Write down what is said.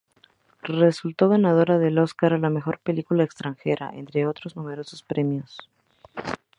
Resultó ganadora del Óscar a la Mejor Película Extranjera, entre otros numerosos premios.